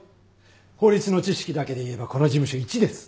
法律の知識だけでいえばこの事務所いちです。